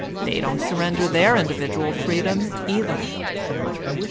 They don't surrender their individual free dom, either.